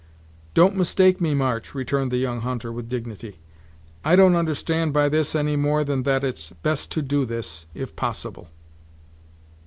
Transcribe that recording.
"Don't mistake me, March," returned the young hunter, with dignity; "I don't understand by this any more than that it's best to do this, if possible.